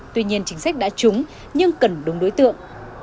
tuy nhiên chính sách đã trúng nhưng cần đúng đối tượng